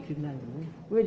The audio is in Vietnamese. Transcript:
về chức năng